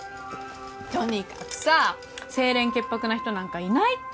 とにかくさ清廉潔白な人なんかいないって。